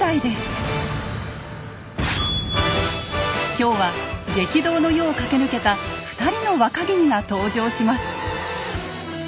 今日は激動の世を駆け抜けた２人の若君が登場します。